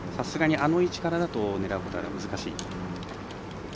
あの位置からだと狙うことは難しいと。